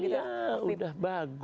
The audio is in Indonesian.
ya udah bagus